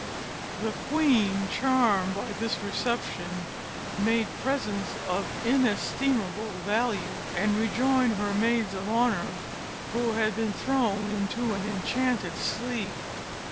The queen, charmed by this reception, made presents of inestimable value, and rejoined her maids of honour, who had been thrown into an enchanted sleep.